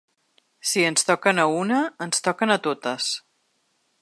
Si ens toquen a una, ens toquen a totes.